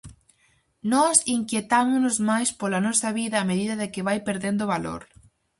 Nós inquietámonos máis pola nosa vida a medida de que vai perdendo valor.